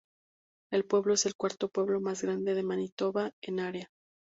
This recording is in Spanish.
El pueblo es el cuarto pueblo más grande de Manitoba en área.